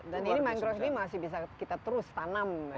dan ini mangrove ini masih bisa kita terus tanam ya